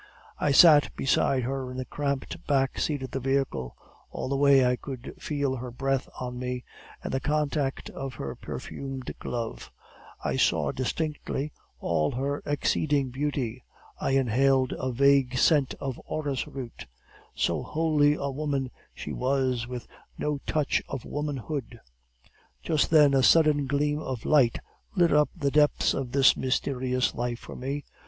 "I sat beside her in the cramped back seat of the vehicle; all the way I could feel her breath on me and the contact of her perfumed glove; I saw distinctly all her exceeding beauty; I inhaled a vague scent of orris root; so wholly a woman she was, with no touch of womanhood. Just then a sudden gleam of light lit up the depths of this mysterious life for me.